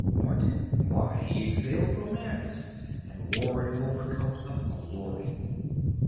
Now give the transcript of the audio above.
Martin? Why, he exhaled romance, And wore an overcoat of glory.